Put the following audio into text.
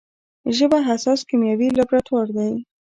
ژبه حساس کیمیاوي لابراتوار دی.